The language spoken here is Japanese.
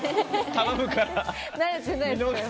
頼むから。